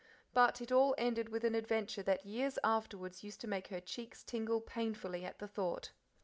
But it all ended with an adventure that years afterwards used to make her cheeks tingle painfully at the thought.